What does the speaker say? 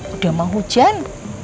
udah mau hujan